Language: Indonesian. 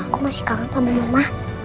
aku masih kangen sama mama